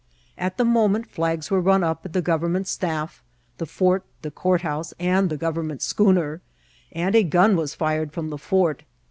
At the moment flags were nm up ml the govermnent staff, the fort, the courthouse, and the government schooner, and a gun was fired from the fort.